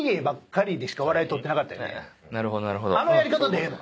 あのやり方でええの？